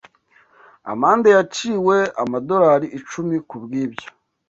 Amande yaciwe amadorari icumi kubwibyo.